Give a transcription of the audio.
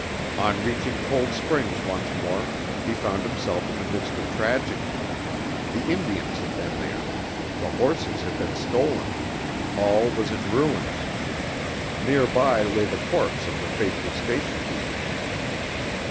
On reaching Cold Springs once more, he found himself in the midst of tragedy. The Indians had been there. The horses had been stolen. All was in ruins. Nearby lay the corpse of the faithful station keeper.